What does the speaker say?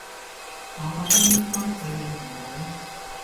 我覺得應該對應唔到